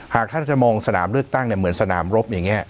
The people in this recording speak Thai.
หากท่านจะมองสนามเลือกตั้งเหมือนสนามรบอย่างนี้